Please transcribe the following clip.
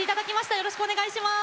よろしくお願いします。